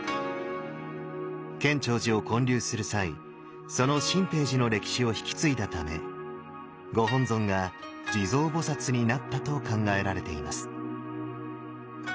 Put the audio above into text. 建長寺を建立する際その心平寺の歴史を引き継いだためご本尊が地蔵菩になったと考えられています。